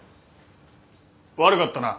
悪かったな。